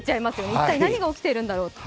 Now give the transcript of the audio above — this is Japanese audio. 一体何が起きてるんだろうと。